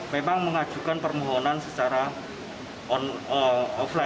pembacaan dakwaan na